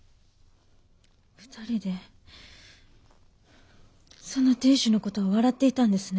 ２人でその亭主の事を笑っていたんですね。